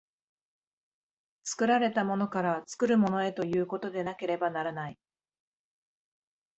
作られたものから作るものへということでなければならない。